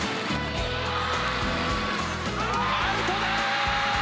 アウトだ！